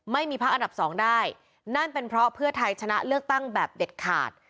ไม่มีพักอันดับสองได้นั่นเป็นเพราะเพื่อไทยชนะเลือกตั้งแบบเด็ดขาด